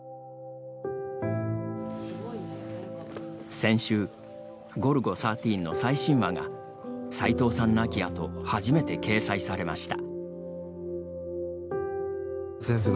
先週「ゴルゴ１３」の最新話がさいとうさん亡き後初めて掲載されました。